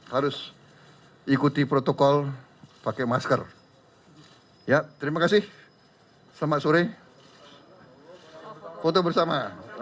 harus ikuti protokol pakai masker ya terima kasih selamat sore foto bersama